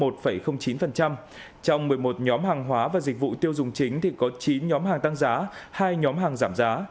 trong một mươi một nhóm hàng hóa và dịch vụ tiêu dùng chính thì có chín nhóm hàng tăng giá hai nhóm hàng giảm giá